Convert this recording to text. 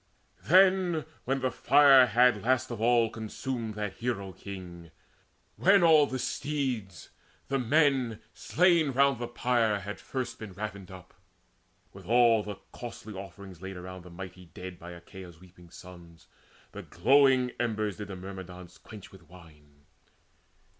Then, when the fire had last of all consumed That hero king, when all the steeds, the men Slain round the pyre had first been ravined up, With all the costly offerings laid around The mighty dead by Achaia's weeping sons, The glowing embers did the Myrmidons quench With wine.